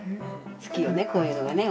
好きよねこういうのがね。